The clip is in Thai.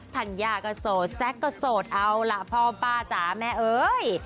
ธัญญาก็โสดแซ็กก็โสดเอาล่ะพ่อป้าจ๋าแม่เอ้ย